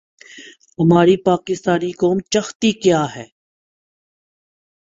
ہماری پاکستانی قوم چاہتی کیا ہے؟